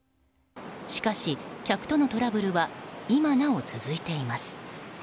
しかし、客とのトラブルは今なお続いています。